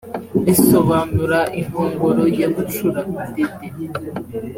risobanura inkongoro ya bucura “Dede”